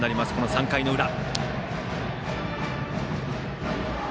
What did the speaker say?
３回の裏。